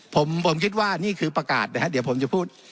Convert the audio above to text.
ผมผมคิดว่านี่คือประกาศนะฮะเดี๋ยวผมจะพูด